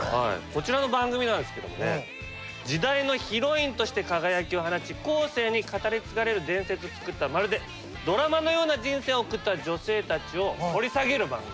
こちらの番組なんですけどもね時代のヒロインとして輝きを放ち後世に語り継がれる伝説を作ったまるでドラマのような人生を送った女性たちを掘り下げる番組。